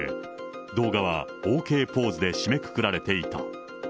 動画はＯＫポーズで締めくくられていた。